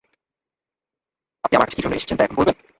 আপনি আমার কাছে কি জন্যে এসেছেন তা এখন বলবেন?